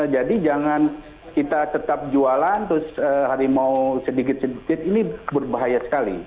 jadi jangan kita tetap jualan terus harimau sedikit sedikit ini berbahaya sekali